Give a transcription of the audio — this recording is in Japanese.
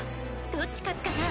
どっち勝つかな？